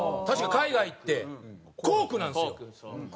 確か海外って「コーク」なんですよ。